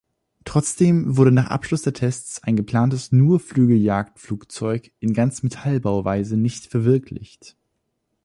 Trotzdem wurde nach Abschluss der Tests ein geplantes Nurflügel-Jagdflugzeug in Ganzmetallbauweise nicht verwirklicht.